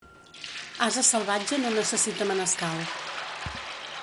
Ase salvatge no necessita manescal.